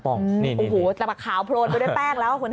โอ้โหแต่แบบขาวโปรดดูได้แปลกแล้วคุณทัศนัย